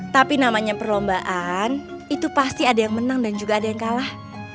tapi namanya perlombaan itu pasti ada yang menang dan juga ada yang kalah